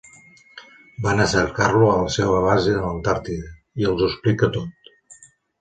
Van a cercar-lo a la seua base a l'Antàrtida, i els ho explica tot.